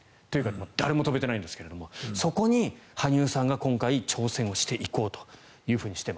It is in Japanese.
というか誰も跳べてないんですがそこに羽生さんが今回、挑戦していこうと。